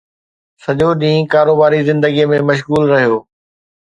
سڄو ڏينهن ڪاروباري زندگيءَ ۾ مشغول رهيو